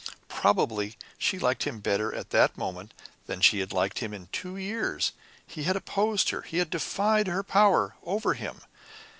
Probably she liked him better at that moment than she had liked him in two years. He had opposed her. He had defied her power over him.